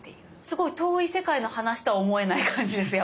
すごい遠い世界の話とは思えない感じです。